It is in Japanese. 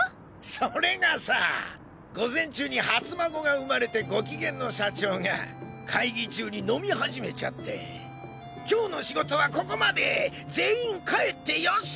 それがさぁ午前中に初孫が生まれてゴキゲンの社長が会議中に飲み始めちゃって「今日の仕事はここまで！全員帰ってよし！」